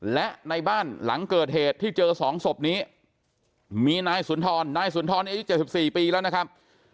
และในบ้านหลังเกิดเหตุที่เจอ๒ศพนี้มีนายสุนทรนายสุนทรอายุ๗๔ปีแล้วนะครับ